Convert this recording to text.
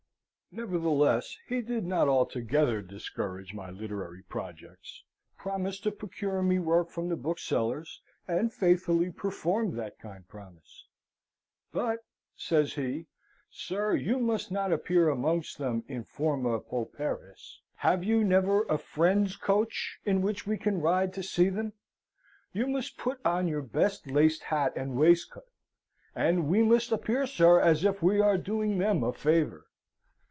Nevertheless, he did not altogether discourage my literary projects, promised to procure me work from the booksellers, and faithfully performed that kind promise. "But," says he, "sir, you must not appear amongst them in forma pauperis. Have you never a friend's coach, in which we can ride to see them? You must put on your best laced hat and waistcoat; and we must appear, sir, as if we were doing them a favour."